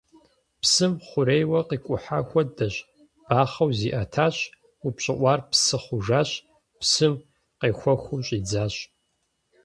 Псым хъурейуэ къикӀухьа хуэдэщ: бахъэу зиӀэтащ, упщӀыӀуар псы хъужащ, псым къехуэхыу щӀидзащ.